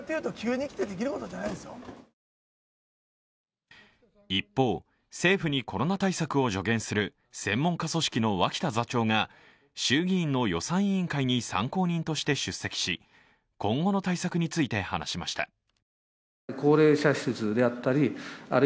しかし一方、政府にコロナ対策を助言する専門家組織の脇田座長が衆議院の予算委員会に参考人として出席し今後の対策について話しました。